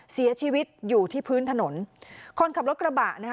เสียชีวิตอยู่ที่พื้นถนนคนขับรถกระบะนะคะ